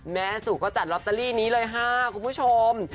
แม่สุก็จัดลอตเตอรี่นี้เลยค่ะคุณผู้ชม